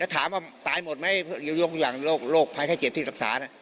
ถามว่าตายหมดไหมยกอย่างโรคภัยไข้เจ็บที่รักษา